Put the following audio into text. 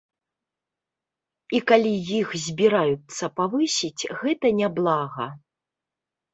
І калі іх збіраюцца павысіць, гэта няблага.